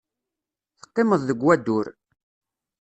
Teqqimeḍ deg wadur.